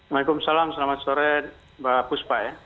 waalaikumsalam selamat sore mbak puspa ya